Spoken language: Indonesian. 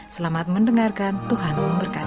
selamat mendengarkan tuhan memberkati